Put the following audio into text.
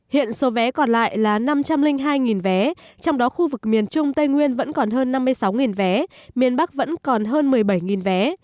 hiện số vé còn lại là năm trăm linh hai vé trong đó khu vực miền trung tây nguyên vẫn còn hơn năm mươi sáu vé miền bắc vẫn còn hơn một mươi bảy vé